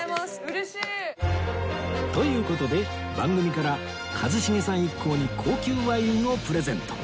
という事で番組から一茂さん一行に高級ワインをプレゼント